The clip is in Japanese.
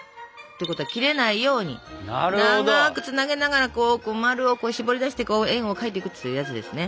ということは切れないように長くつなげながらこうまるをこうしぼり出して円を描いていくというやつですね。